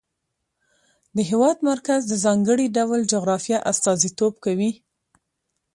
د هېواد مرکز د ځانګړي ډول جغرافیه استازیتوب کوي.